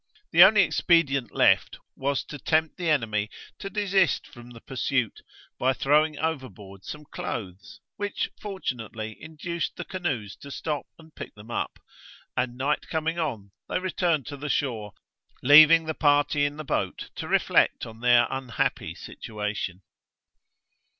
The only expedient left was to tempt the enemy to desist from the pursuit, by throwing overboard some clothes, which fortunately induced the canoes to stop and pick them up; and night coming on, they returned to the shore, leaving the party in the boat to reflect on their unhappy situation.